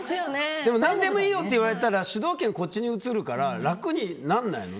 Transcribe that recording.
でも何でもいいよって言われたら主導権移るから楽にならないの？